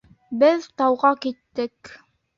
Беҙ тауға киттек.